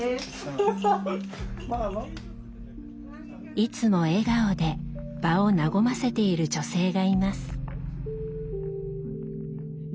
いつも笑顔で場を和ませている女性がいます。